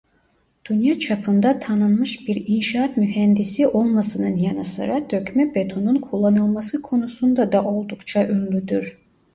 Dünya çapında tanınmış bir inşaat mühendisi olmasının yanı sıra dökme betonun kullanılması konusunda da oldukça ünlüdür.